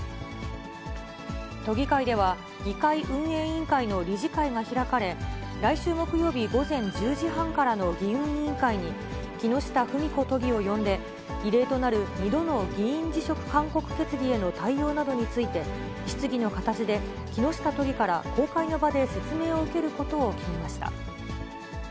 都議会では、議会運営委員会の理事会が開かれ、来週木曜日午前１０時半からの議運委員会に、木下富美子都議を呼んで、異例となる２度の議員辞職勧告決議への対応などについて、質疑の形で木下都議から公開の場で説明を受けることを決めました。